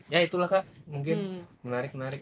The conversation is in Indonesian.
ya itulah kak mungkin menarik menarik